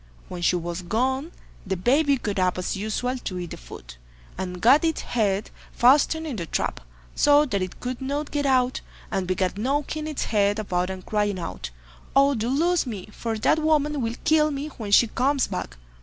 When she was gone the baby got up as usual to eat the food, and got its head fastened in the trap, so that it could not get out, and began knocking its head about and crying out, "Oh! do loose me, for that woman will kill me when she comes back."